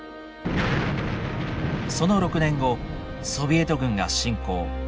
その６年後ソビエト軍が侵攻。